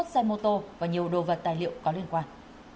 sáu mươi một xe mô tô và nhiều đồ vật tài liệu có liên quan